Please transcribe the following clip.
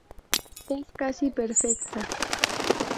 Es casi perfecta".